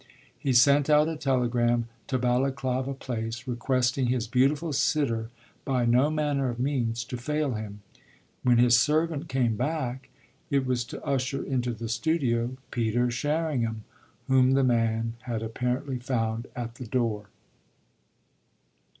He sent out a telegram to Balaklava Place requesting his beautiful sitter by no manner of means to fail him. When his servant came back it was to usher into the studio Peter Sherringham, whom the man had apparently found at the door.